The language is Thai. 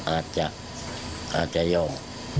อาจจะยอม